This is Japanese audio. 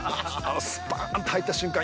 スパーンと入った瞬間